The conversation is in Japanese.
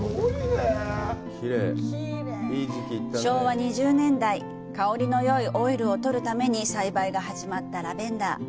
昭和２０年代香りのよいオイルを取るために栽培が始まったラベンダー。